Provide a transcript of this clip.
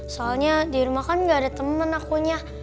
soalnya di rumah kan nggak ada temen akunya